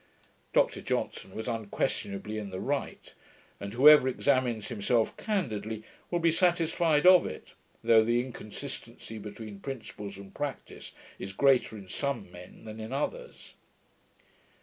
Dr Johnson was unquestionably in the right; and whoever examines himself candidly, will be satisfied of it, though the inconsistency between principles and practice is greater in some men than in others.